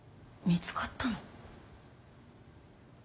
見つかったの？